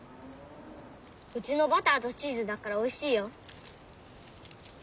うちのバターとチーズだからおいしいよ。